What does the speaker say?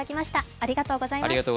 ありがとうございます。